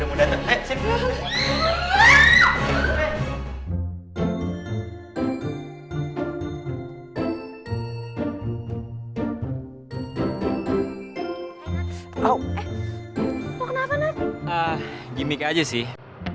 udah mau dateng ayo simp